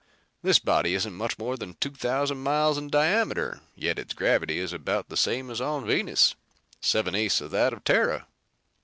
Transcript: This body isn't much more than two thousand miles in diameter, yet its gravity is about the same as on Venus seven eighths of that of Terra.